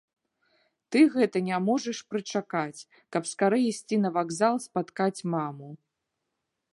Ты гэта не можаш прычакаць, каб скарэй ісці на вакзал спаткаць маму.